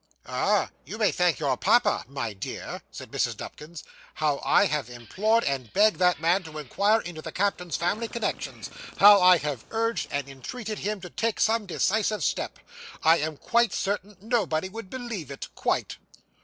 'Ah! you may thank your papa, my dear,' said Mrs. Nupkins; 'how I have implored and begged that man to inquire into the captain's family connections; how I have urged and entreated him to take some decisive step! I am quite certain nobody would believe it quite.